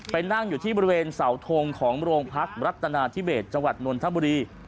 นั่งอยู่ที่บริเวณเสาทงของโรงพักรัฐนาธิเบสจังหวัดนนทบุรี